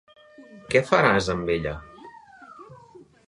Què faràs amb ella?